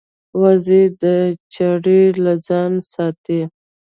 وزې د چړې نه ځان ساتي